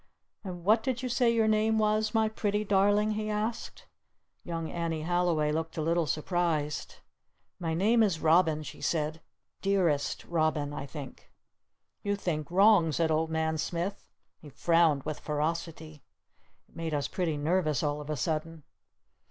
"And what did you say your name was, my pretty darling?" he asked. Young Annie Halliway looked a little surprised. "My name is Robin," she said. "Dearest Robin I think." "You think wrong!" said Old Man Smith. He frowned with ferocity. It made us pretty nervous all of a sudden.